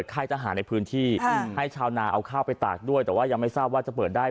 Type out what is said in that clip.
ได้ทำหน้าเอาข้าวไปตากด้วยแต่ว่ายังไม่ทราบว่าจะเปิดได้